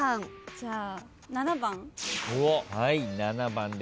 じゃあ７番。